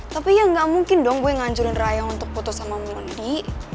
tapi ya gak mungkin dong gue nganjurin raya untuk putus sama mondi